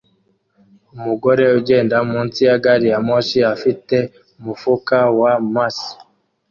Umugore ugenda munsi ya gari ya moshi afite umufuka wa Macy